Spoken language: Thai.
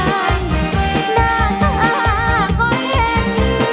หน้าตาก็เห็น